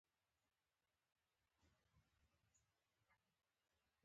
دا څه دلیل دی ؟